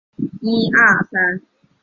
杜宾球孢虫为球孢科球孢虫属的动物。